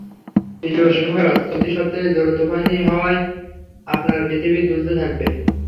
প্রিয় সিংহরাজ, চলতি সপ্তাহে জোর তুফানি হাওয়ায় আপনার পৃথিবী দুলতে থাকবে।